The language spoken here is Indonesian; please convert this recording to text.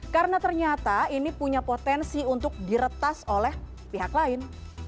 karena ternyata ini punya potensi untuk diretas oleh pihak lain